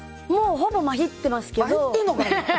もうほぼ、まひってますけど。